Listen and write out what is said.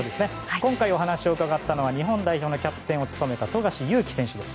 今回お話を伺ったのは日本代表のキャプテンを務めた富樫勇樹選手です。